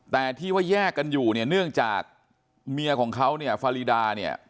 แต่ที่ว่าแยกกันอยู่เนี่ยเนื่องจากเมียของเขาเนี่ยฟารีดาเนี่ย